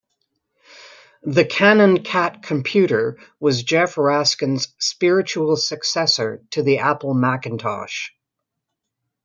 The Canon Cat computer was Jef Raskin's spiritual successor to the Apple Macintosh.